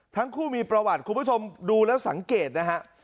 ทั้งคู่มีประวัติคุณผู้ชมดูแล้วสังเกตนะฮะ